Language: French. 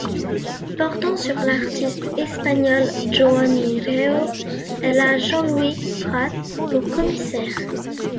Portant sur l'artiste espagnol Joan Miró, elle a Jean-Louis Prat pour commissaire.